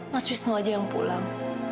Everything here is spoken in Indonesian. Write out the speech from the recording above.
mas wisnu aja yang pulang